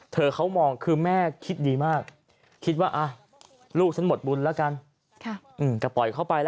เธอเข้ามองคือแม่คิดดีมากคิดว่าลูกฉันหมดบุญก็ปล่อยเข้าไป